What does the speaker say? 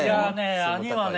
兄はね